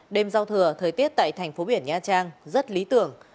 đêm giao thừa thời tiết tại tp hcm rất lý tưởng